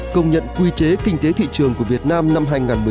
công nhận quy chế kinh tế thị trường của việt nam năm hai nghìn một mươi chín